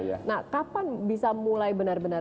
nah kapan bisa mulai benar benar